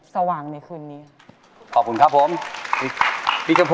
ฉันมีเพียงเธอ